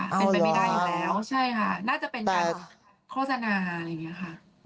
เป็นไปไม่ได้อยู่แล้วใช่ค่ะน่าจะเป็นการโฆษณาอะไรอย่างนี้ค่ะ